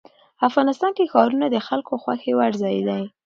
افغانستان کې ښارونه د خلکو خوښې وړ ځای دی.